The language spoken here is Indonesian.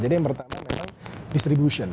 jadi yang pertama memang distribution